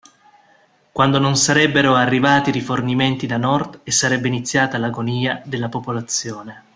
Quando non sarebbero arrivati rifornimenti da Nord, e sarebbe iniziata l'agonia della popolazione.